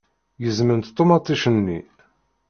Gezment ṭumaṭic-nni.